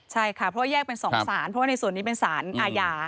ใช่ค่ะเพราะว่าแยกเป็น๒สารเพราะว่าในส่วนนี้เป็นสารอาญา